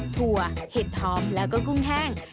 ถั่วเห็ดหอมแล้วก็กุ้งแห้ง